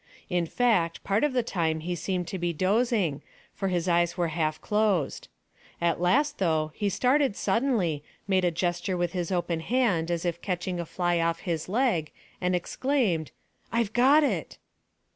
In fact, part of the time he seemed to be dozing, for his eyes were half closed. At last, though, he started suddenly, made a gesture with his open hand as if catching a fly off his leg, and exclaimed "I've got it!"